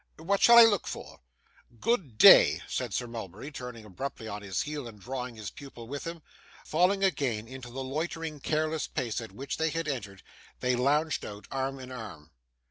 What shall I look for?' 'Good day,' said Sir Mulberry, turning abruptly on his heel, and drawing his pupil with him. Falling, again, into the loitering, careless pace at which they had entered, they lounged out, arm in arm.